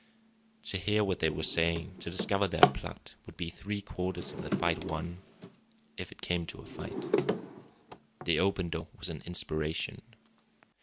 To hear what they were saying, to discover their plot, would be three quarters of the fight won, if it came to a fight. The open door was an inspiration.